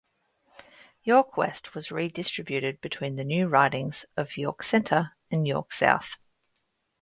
York West was redistributed between the new ridings of York Centre and York South.